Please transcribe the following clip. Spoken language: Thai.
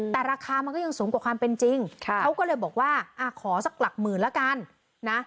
แต่ราคามันก็ยังสูงกว่าความเป็นจริงเขาก็เลยบอกว่าขอสักหลักหมื่นแล้วกันนะ